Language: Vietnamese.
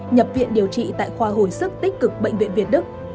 nhập viện điều trị tại khoa hồi sức tích cực bệnh viện việt đức